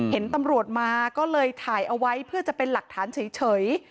เห็นตำรวจมาก็เลยถ่ายเอาไว้เพื่อจะเป็นหลักฐานเฉย